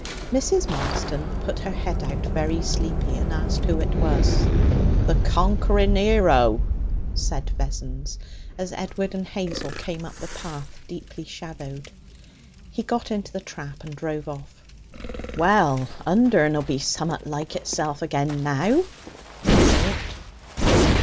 Mrs. Marston put her head out, very sleepy, and asked who it was. 'The conquering 'ero!' said Vessons, as Edward and Hazel came up the path, deeply shadowed. He got into the trap and drove off. 'Well, Undern'll be summat like itself again now,' he thought.